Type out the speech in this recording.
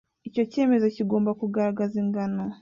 Icyo cyemezo kigomba kugaragaza ingano